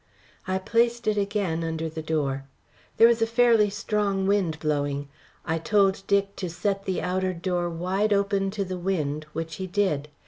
I placed it again under the door. There was a fairly strong wind blowing. I told Dick to set the outer door wide open to the wind, which he did.